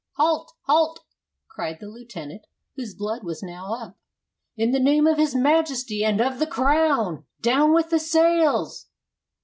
"Halt! halt!" cried the lieutenant, whose blood was now up. "In the name of his Majesty and of the Crown, down with the sails."